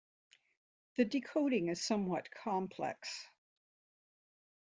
The decoding is somewhat complex.